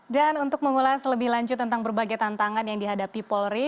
dan untuk mengulas lebih lanjut tentang berbagai tantangan yang dihadapi polri